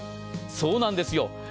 そうなんですよ。